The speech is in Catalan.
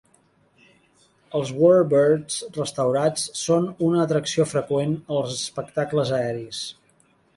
Els warbirds restaurats són una atracció freqüent als espectacles aeris.